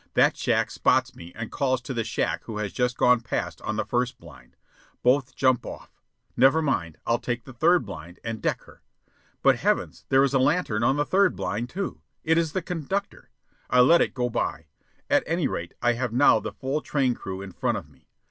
That shack spots me and calls to the shack who has gone past on the first blind. Both jump off. Never mind, I'll take the third blind and deck her. But heavens, there is a lantern on the third blind, too. It is the conductor. I let it go by. At any rate I have now the full train crew in front of me.